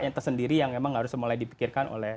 yang tersendiri yang memang harus mulai dipikirkan oleh